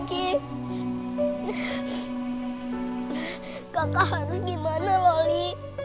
kakak harus gimana loli